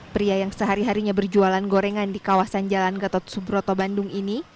pria yang sehari harinya berjualan gorengan di kawasan jalan gatot subroto bandung ini